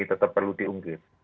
tetap perlu diunggis